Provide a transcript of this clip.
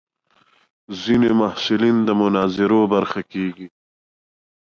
ځینې محصلین د مناظرو برخه کېږي.